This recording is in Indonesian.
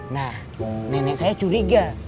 nah nenek saya curiga